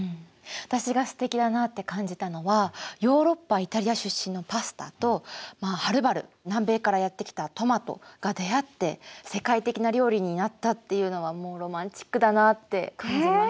私がすてきだなって感じたのはヨーロッパ・イタリア出身のパスタとはるばる南米からやって来たトマトが出会って世界的な料理になったっていうのはもうロマンチックだなって感じました。